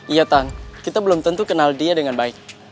iya tan kita belum tentu kenal dia dengan baik